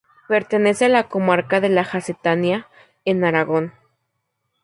Pertenece a la comarca de la Jacetania, en Aragón.